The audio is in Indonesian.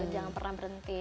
jangan pernah berhenti